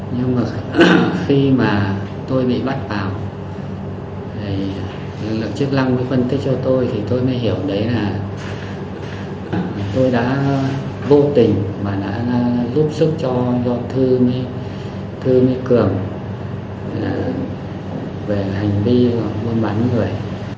nhưng mà khi mà tôi bị bắt vào lực chức lăng mới phân tích cho tôi thì tôi mới hiểu đấy là tôi đã vô tình mà đã giúp sức cho do thư mới cường về hành vi mua bán người